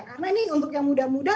karena ini untuk yang muda muda